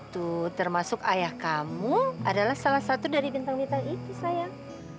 tuh termasuk ayah kamu adalah salah satu dari bintang bintang itu sayang